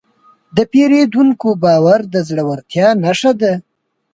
د پیرودونکي باور د زړورتیا نښه ده.